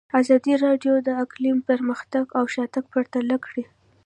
ازادي راډیو د اقلیم پرمختګ او شاتګ پرتله کړی.